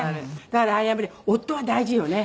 だからやっぱり夫は大事よね。